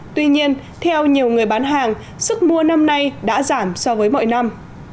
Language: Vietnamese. tuy nhiên theo nhiều người bán hàng sức mua năm nay đã giảm so với mọi năm